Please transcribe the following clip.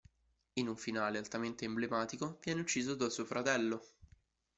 In un finale altamente emblematico, viene ucciso da suo fratello.